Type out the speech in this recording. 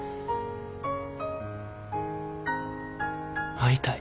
会いたい。